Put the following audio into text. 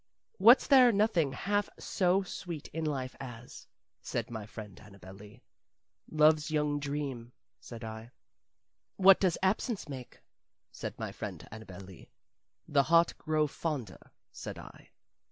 "What's there nothing half so sweet in life as?" said my friend Annabel Lee. "Love's young dream," said I. "What does absence make?" said my friend Annabel Lee. "The heart grow fonder," said I.